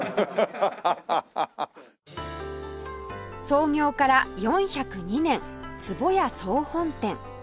創業から４０２年壺屋総本店